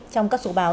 trong các sổ báo